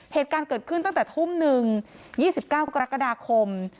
เหตุการณ์เกิดขึ้นตั้งแต่ทุ่มหนึ่ง๒๙กรกฎาคม